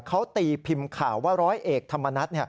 เขาตีพิมพ์ข่าวว่าร้อยเอกธรรมนัฐ